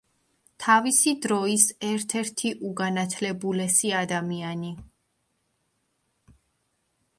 თავისი დროის ერთ-ერთი უგანათლებულესი ადამიანი.